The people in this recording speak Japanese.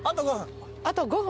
あと５分。